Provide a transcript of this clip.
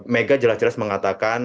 mega jelas jelas mengatakan